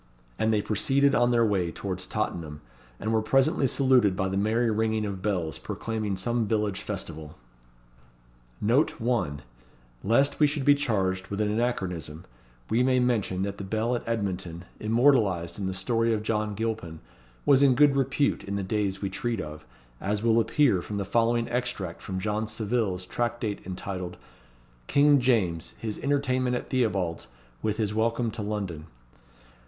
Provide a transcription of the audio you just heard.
And they proceeded on their way towards Tottenham, and were presently saluted by the merry ringing of bells, proclaiming some village festival. NOTE: Lest we should be charged with an anachronism, we may mention that the Bell at Edmonton, immortalized in the story of John Gilpin, was in good repute in the days we treat of, as will appear from the following extract from John Savile's Tractate entitled, King James, his Entertainment at Theobald's, with his Welcome to London.